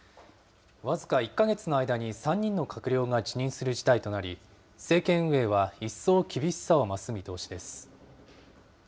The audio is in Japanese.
僅か１か月の間に３人の閣僚が辞任する事態となり、政権運営は一層厳しさを増す見通しです。